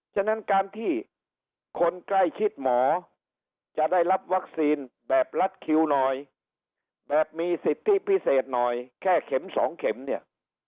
ฉะนั้นการที่คนใกล้ชิดหมอจะได้รับวัคซีนแบบรัดคิวหน่อยแบบมีสิทธิพิเศษหน่อยแค่เข็มสองเข็มเนี่ย